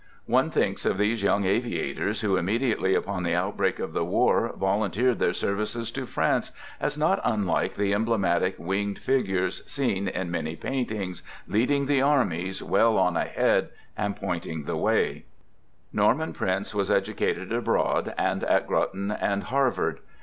One thinks of these young aviators, who immediately upon the outbreak of the war, volunteered their services to France, as not unlike the emblematic winged figures seen in many paintings, leading the armies, well on ahead, and pointing the way, Norman Prince was educated abroad, and at Groton and Harvard.